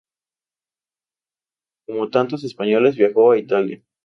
Como tantos españoles, viajó a Italia.